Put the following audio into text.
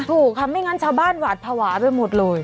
ถูกค่ะไม่งั้นชาวบ้านหวาดภาวะไปหมดเลย